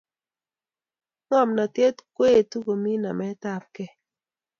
ngomnatet koetu komi namet apkei